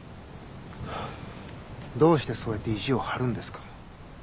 どうしてそうやって意地を張るんですか。